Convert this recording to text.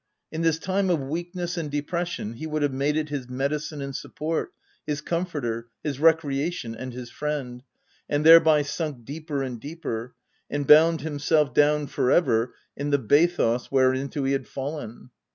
In this time of weak ness and depression he would have made it his medicine and support, his comforter, his recrea tion, and his friend, — and thereby sunk deeper and deeper — and bound himself down for ever in the bathos whereinto he had fallen.